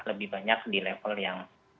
lebih banyak di level yang